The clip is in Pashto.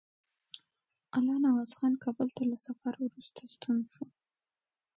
الله نواز خان کابل ته له سفر وروسته ستون شو.